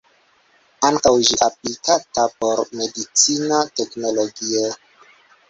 Ankaŭ ĝi aplikata por medicina teknologio.